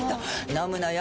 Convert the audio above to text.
飲むのよ